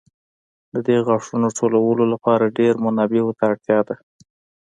د دې غاښونو ټولولو لپاره ډېرو منابعو ته اړتیا ده.